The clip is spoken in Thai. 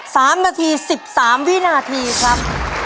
๓นาที๑๓วินาทีครับ